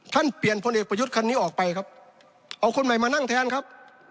เปลี่ยนพลเอกประยุทธ์คันนี้ออกไปครับเอาคนใหม่มานั่งแทนครับ